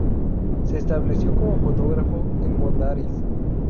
Se estableció como fotógrafo en Mondariz.